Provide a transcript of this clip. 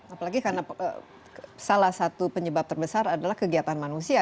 apalagi karena salah satu penyebab terbesar adalah kegiatan manusia